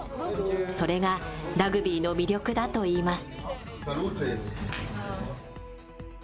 それがラグビーの魅力だといいます。